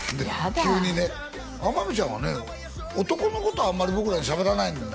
急にね「天海ちゃんはね」「男のことあんまり僕らに喋らないんだ」